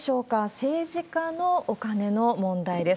政治家のお金の問題です。